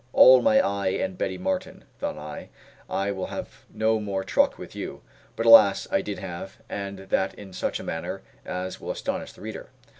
"All my eye and Betty Martin," thought I, "I will have no more truck with you." But, alas, I did have, and that in such a manner as will astonish the reader.